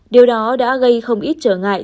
điều đó đã gây không ít trở ngại